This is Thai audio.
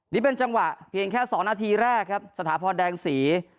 นี่เป็นจังหวะเพียงแค่๒นาทีแรกครับสถาพรแดงศรี